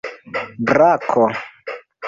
brako